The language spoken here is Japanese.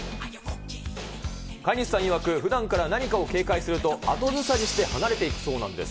飼い主さんいわく、ふだんから何かを警戒すると、後ずさりして離れていくそうなんです。